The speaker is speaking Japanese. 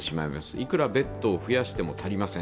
いくらベッドを増やしても足りません。